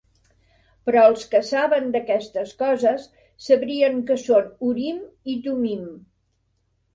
Però els que saben d'aquestes coses, sabrien que són Urim i Tumim.